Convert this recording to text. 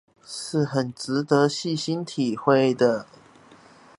是很值得細心體會的